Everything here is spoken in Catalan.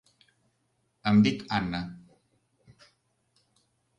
Em dic Anna.